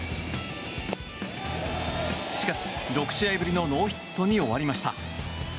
しかし、６試合ぶりのノーヒットに終わりました。